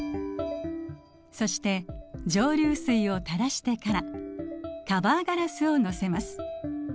そして蒸留水をたらしてからカバーガラスを載せます。